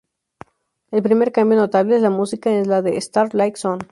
El primer cambio notable es la música: es la de "Star Light Zone".